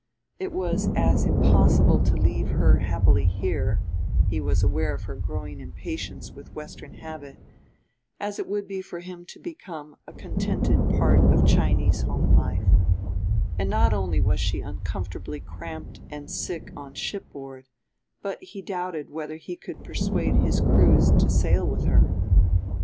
It was as impossible to leave her happily here he was aware of her growing impatience with Western habit as it would be for him to become a contented part of Chinese home life; and not only was she uncomfortably cramped and sick on shipboard, but he doubted whether he could persuade his crews to sail with her.